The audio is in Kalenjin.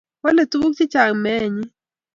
Wale tuguk chechang meenyi